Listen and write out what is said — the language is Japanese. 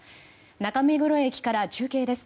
中目黒駅から中継です。